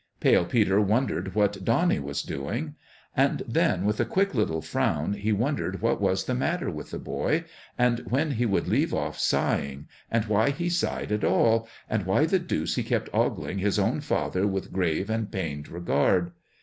Pale Peter won dered what Donnie was doing ; and then, with a quick little frown, he wondered what was the matter with the boy, and when he would leave off sighing, and why he sighed at all, and why the deuce he kept ogling his own father with grave and pained regard.